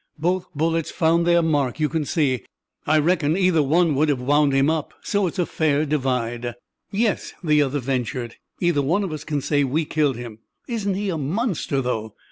Both bullets found their mark, you can see. I reckon either one would have wound him up; so it's a fair divide." "Yes," the other ventured, "either one of us can say we killed him. Isn't he a monster, though!